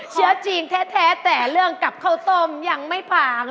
เชื้อจีนแท้แต่เรื่องกับข้าวต้มยังไม่ผ่าน